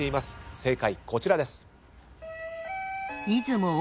正解こちらです。